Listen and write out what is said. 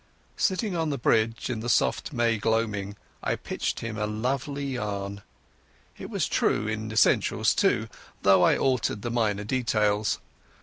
Sitting on the bridge in the soft May gloaming I pitched him a lovely yarn. It was true in essentials, too, though I altered the minor details.